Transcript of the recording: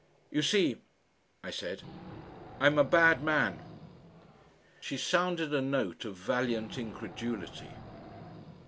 "You see," I said, "I'm a bad man." She sounded a note of valiant incredulity.